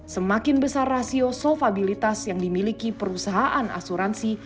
semakin besar rasio sofabilitas yang dimiliki perusahaan asuransi